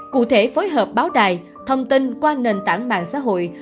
cụ thể phối hợp báo đài thông tin qua nền tảng mạng xã hội